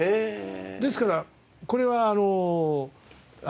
ですからこれは順番で。